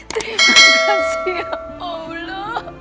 terima kasih allah